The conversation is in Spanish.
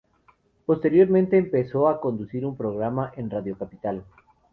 Posteriormente empezó a conducir un programa en Radio Capital.